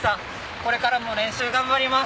これからも練習頑張ります。